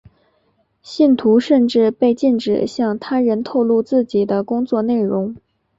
信徒甚至被禁止向他人透露自己的工作内容。